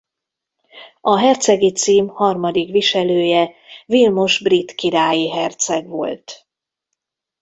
A hercegi cím harmadik viselője Vilmos brit királyi herceg volt.